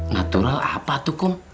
natural apa tuh kum